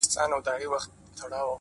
که ستا د حسن د رڼا تصوير په خوب وويني”